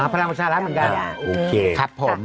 พลังวัชฌารักษ์เหมือนกัน